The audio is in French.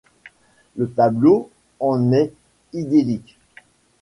Le tableau en est idyllique.